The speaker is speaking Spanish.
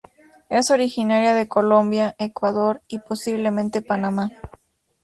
Es originaria de Colombia, Ecuador, y posiblemente Panamá.